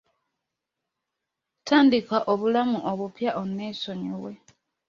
Tandika obulamu obupya oneesonyiwe.